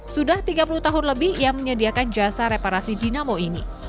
sudah tiga puluh tahun lebih ia menyediakan jasa reparasi jinamo ini